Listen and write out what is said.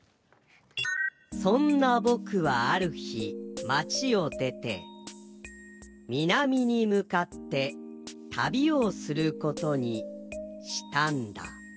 「そんなぼくはあるひ、まちをでてみなみにむかってたびをすることにしたんだ」。